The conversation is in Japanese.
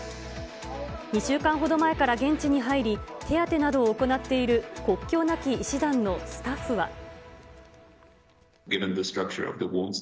２週間ほど前から現地に入り、手当てなどを行っている国境なき医師団のスタッフは。